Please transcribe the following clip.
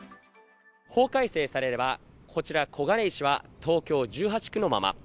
法改正されれば、こちら小金井市は東京１８区のまま。